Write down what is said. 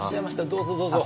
どうぞどうぞ。